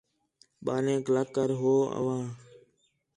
ٻالینک لَکھ کر ہو آنوا